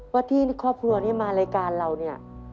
ว่าที่ครอบครัวนี้มารายการเราเนี่ย